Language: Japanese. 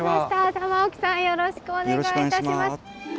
玉置さん、よろしくお願いいたします。